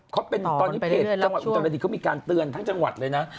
เขาเป็นตอนนี้เพจจังหวัดอุตรดิษฐเขามีการเตือนทั้งจังหวัดเลยนะ